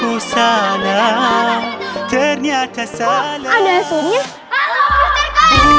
wah ya tuhan salah leh